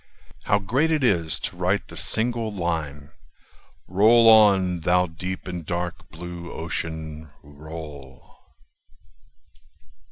How great it is to write the single line: "Roll on, thou deep and dark blue Ocean, roll!